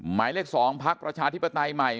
หมายเลข๒พักประชาธิปไตยใหม่